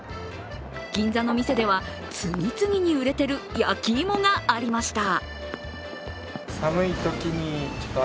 銀座の店では、次々に売れている焼き芋がありました。